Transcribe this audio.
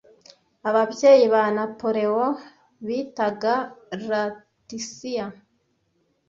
Ababyeyi ba Napoleons bitaga Laticia